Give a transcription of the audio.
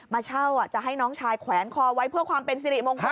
มาเช่าจะให้น้องชายแขวนคอไว้เพื่อความเป็นสิริมงคล